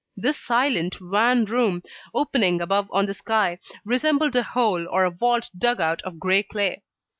This silent, wan room, opening above on the sky, resembled a hole, or a vault dug out of grey clay.